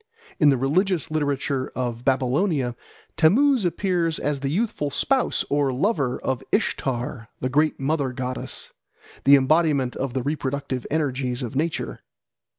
In the religious literature of Babylonia Tammuz appears as the youthful spouse or lover of Ishtar, the great mother goddess, the embodiment of the reproductive energies of nature.